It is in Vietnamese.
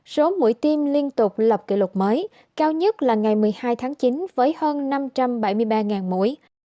số mũi tiêm liên tục lập kỷ lục mới cao nhất là ngày một mươi hai tháng chín với hơn năm trăm bảy mươi ba mũi